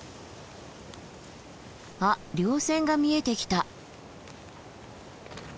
あっ稜線が見えてきた。